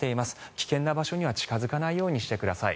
危険な場所には近付かないようにしてください。